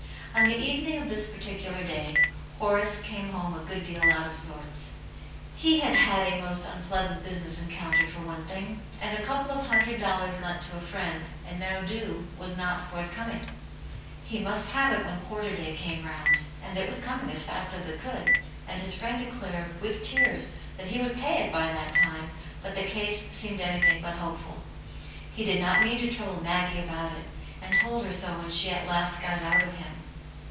On the evening of this particular day Horace came home a good deal out of sorts. He had had a most unpleasant business encounter for one thing, and a couple of hundred dollars lent to a friend, and now due, was not forthcoming. He must have it when quarter day came round, and it was coming as fast as it could, and his friend declared, with tears, that he would pay it by that time, but the case seemed anything but hopeful, H^ d\d XLCi\. \s\r.^sv \5^ 114 Atmt Janets Hero. trouble Maggie about it, and told her so when she at last got it out of him.